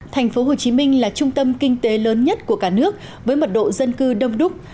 thành phố hồ chí minh là trung tâm kinh tế lớn nhất của cả nước với mật độ dân cư đông đúc